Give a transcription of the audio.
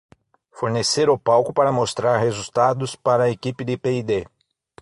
Fornecer o palco para mostrar resultados para a equipe de P & D